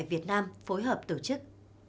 việt nam phối hợp tổ chức